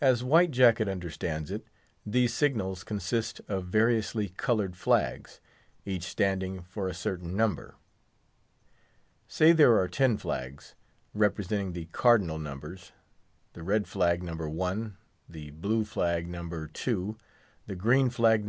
As White Jacket understands it, these signals consist of variously coloured flags, each standing for a certain number. Say there are ten flags, representing the cardinal numbers—the red flag, No. 1; the blue flag, No. 2; the green flag, No.